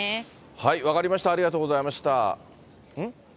分かりました、ありがとうございました。